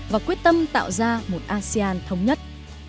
và quyết tâm tạo ra một asean thống nhất